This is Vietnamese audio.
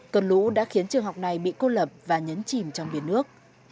cơn lũ đã khiến trường học này bị cô lập và nhấn chìm trong biển nước